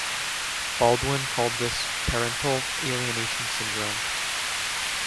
Baldwin called this parental alienation syndrome.